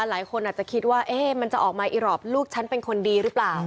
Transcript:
หลายคนอาจจะคิดว่ามันจะออกมาอีรอบลูกฉันเป็นคนดีหรือเปล่า